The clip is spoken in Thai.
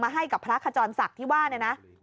ให้กับพระขจรศักดิ์ที่ว่าเนี่ยนะ